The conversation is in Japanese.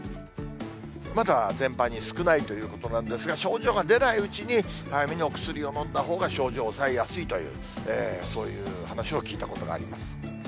まだ全般に少ないということなんですが、症状が出ないうちに、早めにお薬を飲んだほうが、症状抑えやすいという、そういう話を聞いたことがあります。